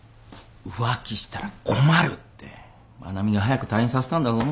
浮気したら困るって愛菜美が早く退院させたんだぞ。